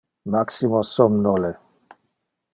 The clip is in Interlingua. Maximo somnole.